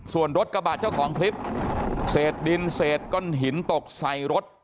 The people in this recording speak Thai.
ส่วนรถกระบะเจ้าของคลิปเศษดินเศษก้อนหินตกใส่รถ